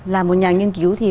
là một nhà nghiên cứu thì